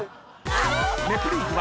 ［『ネプリーグ』は］